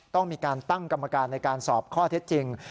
ต้องมีการตั้งกรรมการในการสอบข้อเท็จจริง